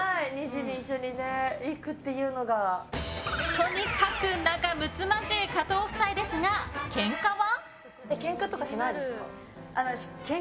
とにかく仲むつまじい加藤夫妻ですが、けんかは？